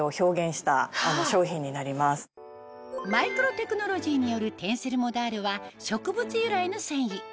マイクロテクノロジーによるテンセルモダールは植物由来の繊維